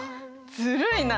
ずるいな。